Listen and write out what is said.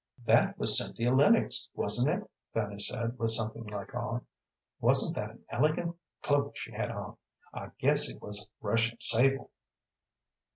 "That was Cynthia Lennox, wasn't it?" Fanny said, with something like awe. "Wasn't that an elegant cloak she had on? I guess it was Russian sable."